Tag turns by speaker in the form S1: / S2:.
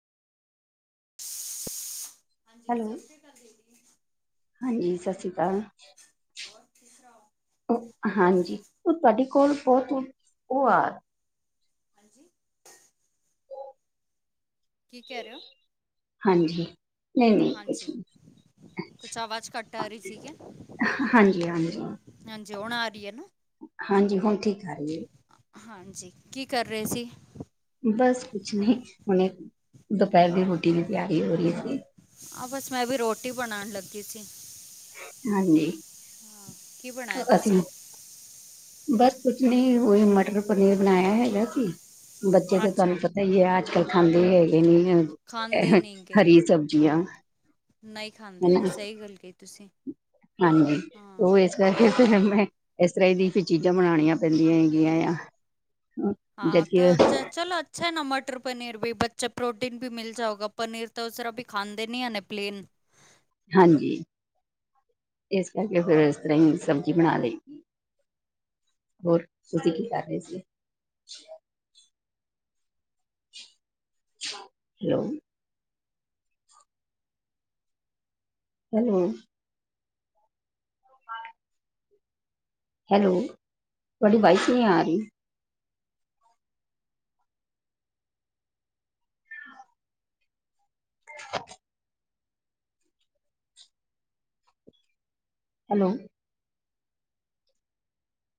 S1: ਸੀਈਈ--ਹਾਂਜੀ,
S2: hello
S1: Sat Sri ਅਕਾਲ, ਦੀਦੀ।
S2: ਹਾਂਜੀ, ਸਤਿ ਸ੍ਰੀ ਅਕਾਲ।
S1: ਹੋਰ ਕਿਸ ਤਰ੍ਹਾਂ ਹੋ
S2: ਹਾਂਜੀ, ਉਹ ਤੁਹਾਡੀ ਕੋਲ਼ ਬਹੁਤ, ਉਹ ਆ।
S1: ਹਾਂਜੀ। ਕੀ, ਕਹਿ ਰਹੇ ਹੋ?
S2: ਹਾਂਜੀ। ਨਹੀਂ-ਨਹੀਂ ਕੁਛ
S1: ਹਾਂਜੀ
S2: ਨੀ,
S1: ਕੁਛ ਆਵਾਜ਼ ਘੱਟ ਆ ਰਹੀ ਸੀ ਕਿ
S2: ਹਾਂਜੀ-ਹਾਂਜੀ।
S1: ਹਾਂਜੀ, ਹੁਣ ਆ ਰਹੀਏ ਨਾ?
S2: ਹਾਂਜੀ। ਹੁਣ, ਠੀਕ ਆ ਰਹੀ ਏ।
S1: ਹਾਂਜੀ, ਕੀ ਕਰ ਰਹੇ ਸੀ?
S2: ਬਸ ਕੁਛ ਨਹੀਂ, ਹੁਣੇ ਦੁਪਹਿਰ ਦੀ ਰ੍ਹੋਟੀ ਦੀ ਤਿਆਰੀ ਹੋ ਰਹੀ ਸੀ।
S1: ਆਹ, ਬਸ ਮੈਂ ਵੀ ਰ੍ਹੋਟੀ ਬਣਾਣ ਲੱਗੀ ਸੀ।
S2: ਹਾਂਜੀ
S1: ਹਾਂ, ਕੀ ਬਣਾਇਆ ਤੁਸੀਂ?
S2: ਅਸੀਂ ਬਸ ਕੁਛ ਨੀ, ਉਹੀ ਮਟਰ-ਪਨੀਰ ਬਣਾਇਆ ਹੈਗਾ ਸੀ, ਬੱਚੇ ਤੇ ਤੁਹਾਨੂੰ
S1: ਅੱਛਾ
S2: ਪਤਾ ਤਾ ਈ ਆ, ਅੱਜ-ਕੱਲ ਖਾਂਦੇ ਹੈਗੇ ਨਹੀਂ,
S1: ਖਾਂਦੇ ਨਹੀਂ ਗੇ
S2: ਹਰੀ ਸਬਜ਼ੀਆ।
S1: ਨਹੀਂ ਖਾਂਦੇ ਨੇ, ਸਹੀ ਗੱਲ ਕਹੀ ਤੁਸੀਂ।
S2: ਹਾਂਜੀ,
S1: ਹਾਂ
S2: ਉਹ ਇਸ ਫਿਰ ਮੈਂ, ਇਸ ਤਰ੍ਹਾਂ ਦੀ ਫਿਰ ਚੀਜ਼ਾਂ ਬਣਾਣੀਆਂ ਪੈਂਦੀਆਂ ਹੈਗੀਆਂ ਆ।
S1: ਹਾਂ, ਤ,
S2: ਜਦਕਿ
S1: ਚ ਚਲੋ ਅੱਛਾ ਹੈ ਨਾ ਮਟਰ-ਪਨੀਰ ਵੀ, ਬੱਚਾ ਪ੍ਰੋਟੀਨ ਵੀ ਮਿਲ ਜਾਊਗਾ, ਪਨੀਰ ਤਾਂ ਉਸ ਤਰ੍ਹਾਂ ਵੀ ਖਾਂਦੇ ਨੀ ਹੈ ਨਾ ਪਲੇਨ।
S2: ਹਾਂਜੀ, ਇਸ ਕਰਕੇ ਫਿਰ, ਇਸ ਤਰ੍ਹਾਂ ਹੀ ਸਬਜ਼ੀ ਬਣਾ ਲਈ ਦੀ। ਹੋਰ, ਤੁਸੀ ਕੀ ਕਰ ਰਹੇ ਸੀ? ਹੈਲੋ! ਹੈਲੋ। ਹਾਏ ਹੈਲੋ, ਤੁਹਾਡੀ ਵਾਈਸ ਨਹੀਂ ਆ ਰਹੀ? ਹੈਲੋ।